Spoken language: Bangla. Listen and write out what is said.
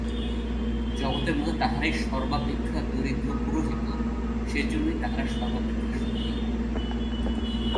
জগতের মধ্যে তাহারাই সর্বাপেক্ষা দরিদ্র পুরোহিত, সেইজন্যই তাহারা সর্বাপেক্ষা শক্তিমান্।